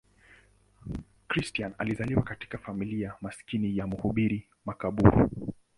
Christian alizaliwa katika familia maskini ya mhubiri makaburu.